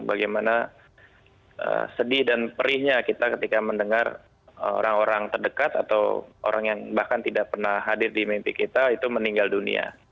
bagaimana sedih dan perihnya kita ketika mendengar orang orang terdekat atau orang yang bahkan tidak pernah hadir di mimpi kita itu meninggal dunia